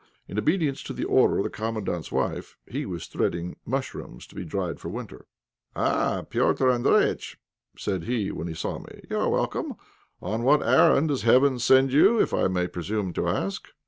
In obedience to the order of the Commandant's wife, he was threading mushrooms to be dried for the winter. "Ah! Petr' Andréjïtch," said he, when he saw me; "you are welcome. On what errand does heaven send you, if I may presume to ask?"